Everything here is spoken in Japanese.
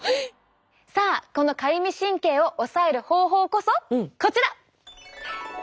さあこのかゆみ神経を抑える方法こそこちら保湿剤！